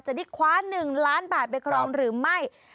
จะได้คว้า๑ล้านบาทไปครองหรือไม่